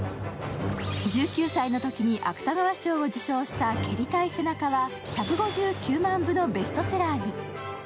１９歳のときに芥川賞を受賞した「蹴りたい背中」は１５９万部のベストセラーに。